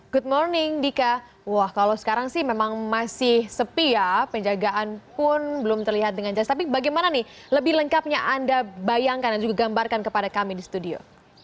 good morning dika wah kalau sekarang sih memang masih sepi ya penjagaan pun belum terlihat dengan jelas tapi bagaimana nih lebih lengkapnya anda bayangkan dan juga gambarkan kepada kami di studio